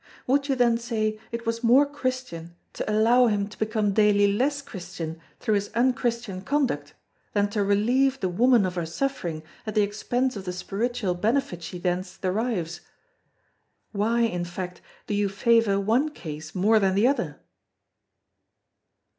Would you then say it was more Christian to allow him to become daily less Christian through his unchristian conduct, than to relieve the woman of her suffering at the expense of the spiritual benefit she thence derives? Why, in fact, do you favour one case more than the other?"